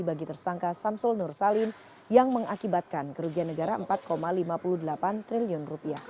bagi tersangka samsul nur salim yang mengakibatkan kerugian negara rp empat lima puluh delapan triliun